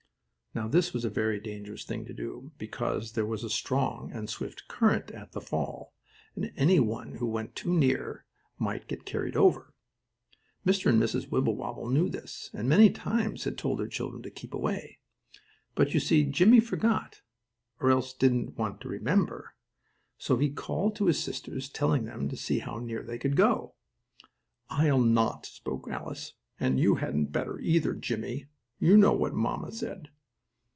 Now this was a very dangerous thing to do, because there was a strong and swift current at the fall, and any one who went too near it might be carried over. Mr. and Mrs. Wibblewobble knew this, and many times had told their children to keep away. But, you see, Jimmie forgot, or else didn't want to remember, so he called to his sisters, telling them to see how near they could go. "I'll not," spoke Alice. "And you hadn't better either, Jimmie. You know what mamma said."